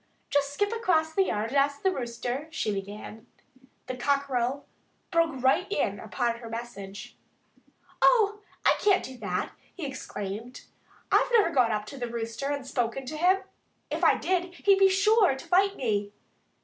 "Just skip across the yard and ask the Rooster " she began. The cockerel broke right in upon her message. "Oh! I can't do that!" he exclaimed. "I've never gone up to the Rooster and spoken to him. If I did, he'd be sure to fight me."